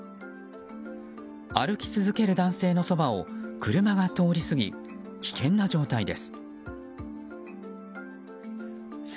歩き続ける男性のそばを車が通り過ぎ、危険な状態です。